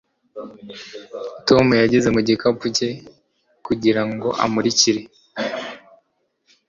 Tom yageze mu gikapu cye kugira ngo amurikire.